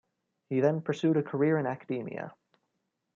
He then pursued a career in academia.